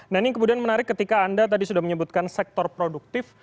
nah ini kemudian menarik ketika anda tadi sudah menyebutkan sektor produktif